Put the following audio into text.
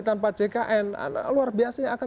tanpa jkn luar biasa yang akan